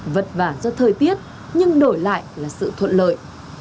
vất vả do thời tiết nhưng đổi lại là sự thuận lợi